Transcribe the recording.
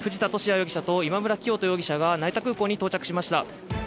容疑者と今村磨人容疑者が成田空港に到着しました。